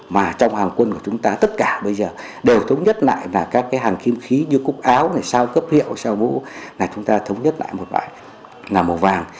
một vải là màu vàng